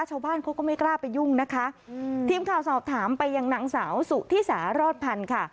ชาวบ้านเขาก็ไม่กล้าไปยุ่งนะคะอืมทีมข่าวสอบถามไปยังนางสาวสุธิสารอดพันธ์ค่ะ